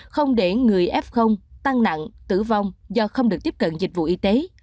không để người f tăng nặng tử vong do không được tiếp cận dịch vụ y tế